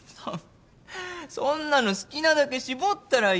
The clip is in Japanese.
そんなの好きなだけしぼったらいいじゃん。